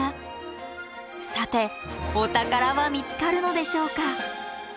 さてお宝は見つかるのでしょうか？